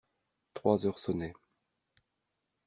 Trois heures sonnaient.